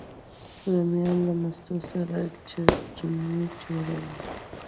رومیان له مستو سره چټني جوړوي